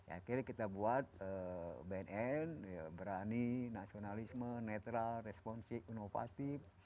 akhirnya kita buat bnn berani nasionalisme netral responsif inovatif